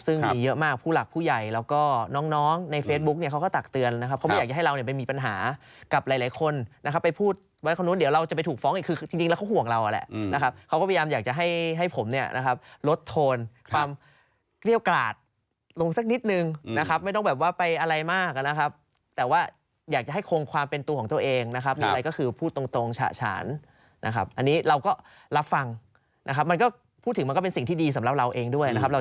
ซึ่งมีเยอะมากผู้หลักผู้ใหญ่แล้วก็น้องในเฟซบุ๊คเนี่ยเขาก็ตักเตือนนะครับเขาไม่อยากจะให้เราเนี่ยไปมีปัญหากับหลายคนนะครับไปพูดไว้ข้างนู้นเดี๋ยวเราจะไปถูกฟ้องอีกคือจริงแล้วเขาห่วงเราอะแหละนะครับเขาก็พยายามอยากจะให้ผมเนี่ยลดโทนความเกรี้ยวกราดลงสักนิดนึงนะครับไม่ต้องแบบว่าไปอะไรมากอะนะครับแต่ว